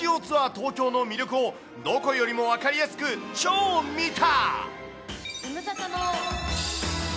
東京の魅力を、どこよりも分かりやすく超見た！